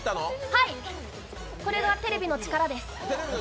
はい、これはテレビの力です。